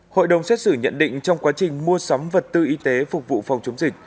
hội đồng xét xử nhận định trong quá trình mua sắm vật tư y tế phục vụ phòng chống dịch